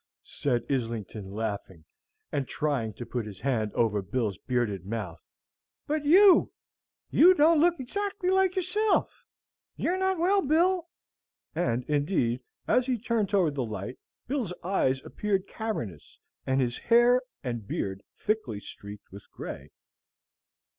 said Islington, laughing, and trying to put his hand over Bill's bearded mouth, "but you YOU don't look exactly like yourself! You're not well, Bill." And indeed, as he turned toward the light, Bill's eyes appeared cavernous, and his hair and beard thickly streaked with gray.